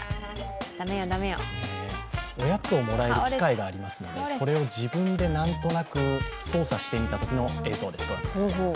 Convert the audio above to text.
おやつをもらえる機械がありますからそれを自分でなんとなく操作してみたときの映像です。